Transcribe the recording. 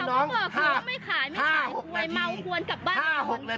มึงไม่ใช่แผนกงาน